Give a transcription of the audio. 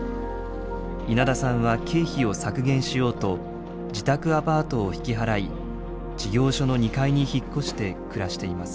稲田さんは経費を削減しようと自宅アパートを引き払い事業所の２階に引っ越して暮らしています。